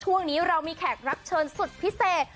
ช่วงนี้เรามีแขกรับเชิญสุดพิเศษ